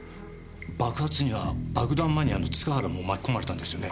爆発には爆弾マニアの塚原も巻き込まれたんですよね？